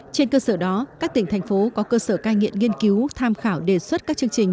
trên cơ sở đó các tỉnh thành phố có cơ sở cai nghiện nghiên cứu tham khảo đề xuất các chương trình